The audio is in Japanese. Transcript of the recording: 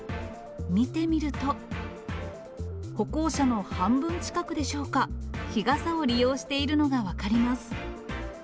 見てみると、歩行者の半分近くでしょうか、日傘を利用しているのが分かります。